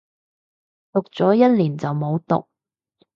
讀咗一年就冇讀